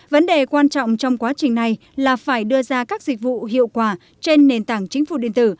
vấn đề quan trọng trong quá trình này là phải đưa ra các dịch vụ hiệu quả trên nền tảng chính phủ điện tử